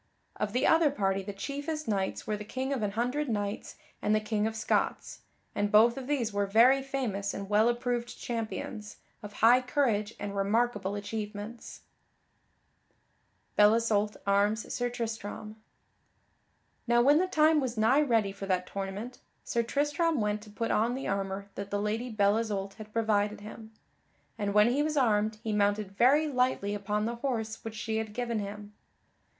Of the other party the chiefest knights were the King of an Hundred Knights and the King of Scots, and both of these were very famous and well approved champions, of high courage and remarkable achievements. [Sidenote: Belle Isoult arms Sir Tristram] Now when the time was nigh ready for that tournament, Sir Tristram went to put on the armor that the Lady Belle Isoult had provided him, and when he was armed he mounted very lightly upon the horse which she had given him.